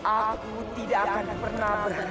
aku tidak akan pernah